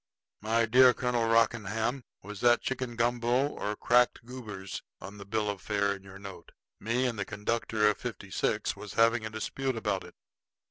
My dear Colonel Rockingham, was that chicken gumbo or cracked goobers on the bill of fare in your note? Me and the conductor of fifty six was having a dispute about it."